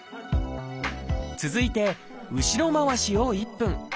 続いて後ろ回しを１分。